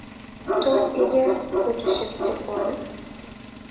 Tos, igeer betushiek chebwone?